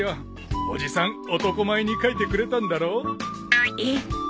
おじさん男前に描いてくれたんだろ？え。